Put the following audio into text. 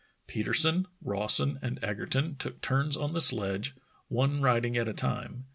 Petersen, Rawson, and Eger ton took turns on the sledge, one riding at a time.